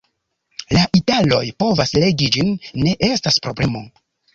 La italoj povas legi ĝin; ne estas problemo.